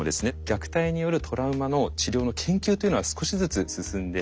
虐待によるトラウマの治療の研究というのは少しずつ進んでいます。